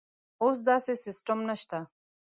اوس داسې سیستم نشته.